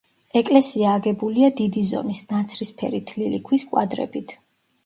ეკლესია აგებულია დიდი ზომის, ნაცრისფერი თლილი ქვის კვადრებით.